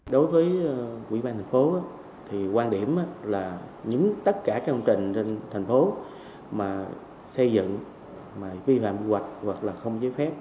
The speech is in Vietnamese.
đối với ủy ban thành phố thì quan điểm là những tất cả các công trình trên thành phố mà xây dựng mà vi phạm hoặc là không giới phép